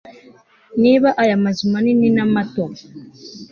Niba aya mazu manini na mato